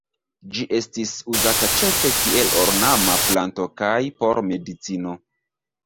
Ĝi estis uzata ĉefe kiel ornama planto kaj por medicino.